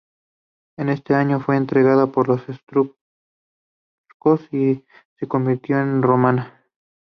En ese año fue entregada por los Etruscos y se convirtió en romana.